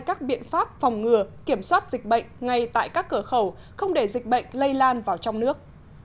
các biện pháp phòng ngừa kiểm soát dịch bệnh ngay tại các cửa khẩu không để dịch bệnh lây lan vào trong nước